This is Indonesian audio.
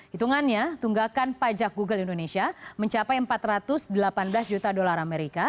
hitungannya tunggakan pajak google indonesia mencapai empat ratus delapan belas juta dolar amerika